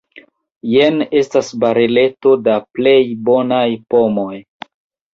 Jen estas bareleto da plej bonaj pomoj.